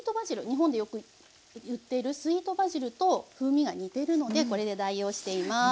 日本でよく売っているスイートバジルと風味が似てるのでこれで代用しています。